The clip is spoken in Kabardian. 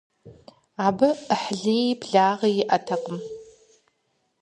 Абы Ӏыхьлыи благъи иӀэтэкъым.